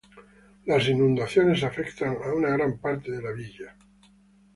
Las inundaciones afectan a una gran parte de la villa.